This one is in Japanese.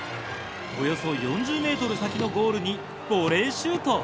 およそ４０ｍ先のゴールにボレーシュート。